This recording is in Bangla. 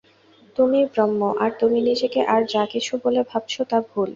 তুমিই ব্রহ্ম, আর তুমি নিজেকে আর যা কিছু বলে ভাবছ, তা ভুল।